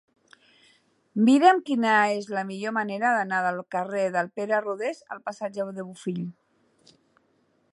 Mira'm quina és la millor manera d'anar del carrer del Pare Rodés al passatge de Bofill.